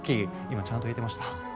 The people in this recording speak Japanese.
今ちゃんと言えてました？